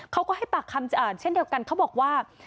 เขาก็ให้ปากคำเช่นเดียวกันเขาบอกว่า